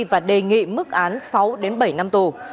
và đề nghị mức án sáu đến bảy năm tù